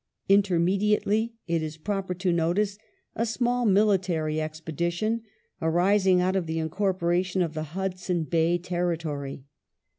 Intermediately it is proper to notice a small military expedition arising out of the incorporation of the Hudson Bay Temtory.